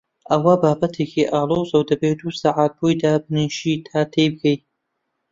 ئەوە بابەتێکی ئاڵۆزە و دەبێ دوو سەعات بۆی دابنیشی تا تێی بگەی.